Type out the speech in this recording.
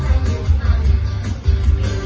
สวัสดีครับสวัสดีครับ